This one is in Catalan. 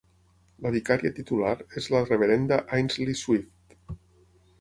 La vicària titular és la reverenda Ainsley Swift.